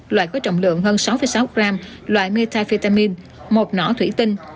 loại có trọng lượng hơn sáu sáu gram loại metafetamin một nỏ thủy tinh